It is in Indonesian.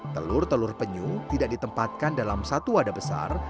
telur telur penyu tidak ditempatkan dalam satu wadah besar